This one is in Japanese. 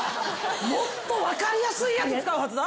もっとわかりやすいやつ使うはずだ。